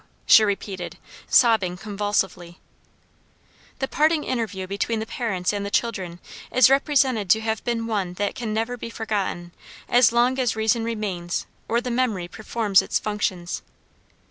She repeated, sobbing convulsively. The parting interview between the parents and the children is represented to have been one that can never be forgotten as long as reason remains or the memory performs its functions.